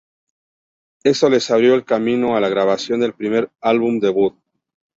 Esto les abrió el camino a la grabación del primer álbum debut.